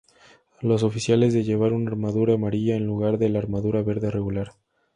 Los oficiales de llevar una armadura amarilla en lugar de la armadura verde regular.